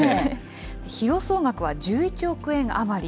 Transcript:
費用総額は１１億円余り。